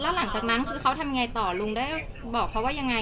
หลังจากนั้นคือเขาทำยังไงต่อลุงได้บอกเขาว่ายังไง